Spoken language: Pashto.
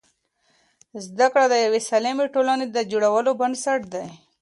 زده کړه د یوې سالمې ټولنې د جوړولو بنسټ دی.